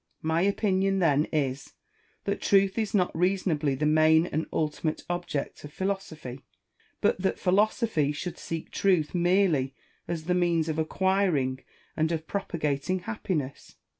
My opinion then is, that truth is not reason ably the main and ultimate object of philosophy ; but that philosophy should seek truth merely as the means of acquiring and of propagating happiness.